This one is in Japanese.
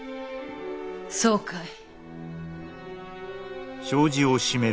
そうかい。